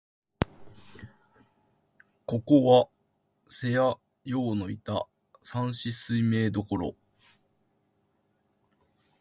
ここは、頼山陽のいた山紫水明処、